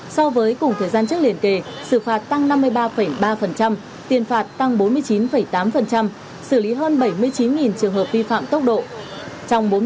so với cùng thời gian trước liên kề xử phạt tăng năm mươi ba ba tiền phạt tăng bốn mươi chín tám xử lý hơn bảy mươi chín trường hợp vi phạm tốc độ